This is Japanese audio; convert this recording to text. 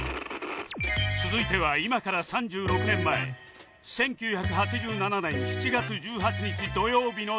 続いては今から３６年前１９８７年７月１８日土曜日のテレビ欄